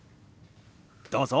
どうぞ！